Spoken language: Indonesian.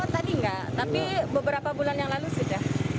tadi enggak tapi beberapa bulan yang lalu sudah